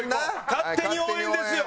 勝手に応援ですよ！